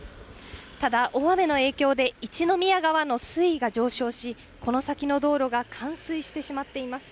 ただ大雨の影響で、一宮川の水位が上昇し、この先の道路が冠水してしまっています。